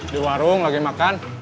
di warung lagi makan